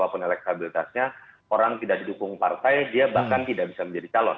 mau sekuat dan setinggi apapun elektabilitasnya orang tidak didukung partai dia bahkan tidak bisa menjadi calon